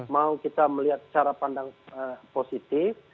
mau kita melihat cara pandang positif